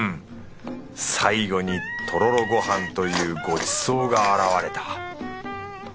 最後にとろろごはんというごちそうが現れた。